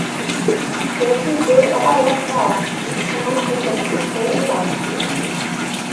Det är kryddor, av alla slag, som en inte sett på två år!